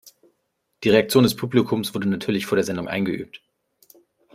Die Reaktion des Publikums wurde natürlich vor der Sendung eingeübt.